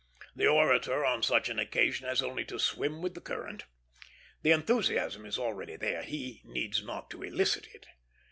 The orator on such an occasion has only to swim with the current. The enthusiasm is already there; he needs not to elicit it.